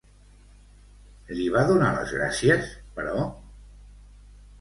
Li va donar les gràcies, però?